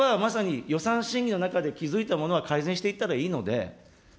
これはまさに予算審議の中で気付いたものは改善していったらいいので。